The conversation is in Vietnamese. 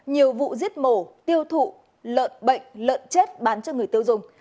nhiều vụ giết mổ tiêu thụ lợn bệnh lợn chết bán cho người tiêu dùng